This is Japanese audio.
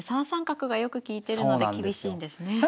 ３三角がよく利いてるので厳しいんですね。